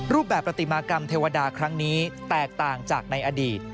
รูปแบบปฏิมากรรมเทวดาครั้งนี้แตกต่างจากในอดีต